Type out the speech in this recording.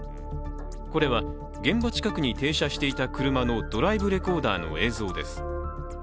これは現場近くに停車していた車のドライブレコーダーの映像です。